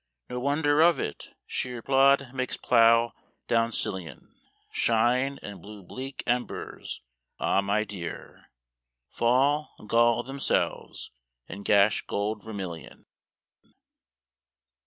No wonder of it: shéer plód makes plough down sillion Shine, and blue bleak embers, ah my dear, Fall, gall themselves, and gash gold vermillion.